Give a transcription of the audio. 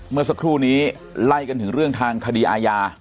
เมื่อสักครู่นี้ไล่กันถึงเรื่องทางคดีอาญา